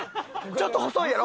ちょっと細いやろ？